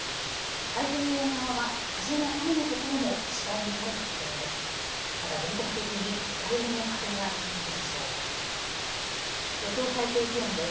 太平洋側ははじめ雨の所も次第に晴れてきそうです。